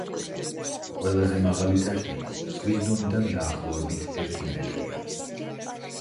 ყველაზე მაღალი წერტილი ზღვის დონიდან დაახლოებით ერთი მეტრია.